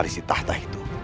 dan waris di tahta itu